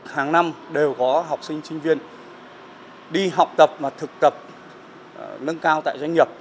hàng năm đều có học sinh sinh viên đi học tập và thực tập nâng cao tại doanh nghiệp